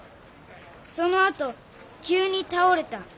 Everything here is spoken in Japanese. そのあと急に倒れた。